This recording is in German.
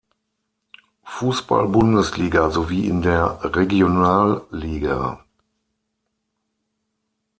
Fußball-Bundesliga sowie in der Regionalliga.